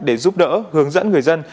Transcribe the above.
để giúp đỡ hướng dẫn người dân